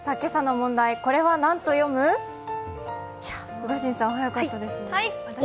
宇賀神、早かったですね。